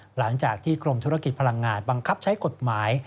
หลังจากที่กรมธุรกิจพลังงานบังคับใช้กฎหมาย